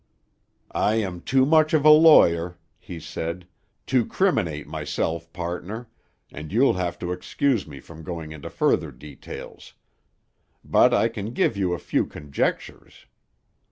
"I am too much of a lawyer," he said, "to criminate myself, pardner, and you'll have to excuse me from going into further details. But I can give you a few conjectures.